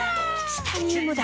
チタニウムだ！